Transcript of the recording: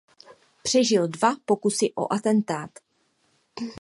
Přežil dva pokusy o atentát.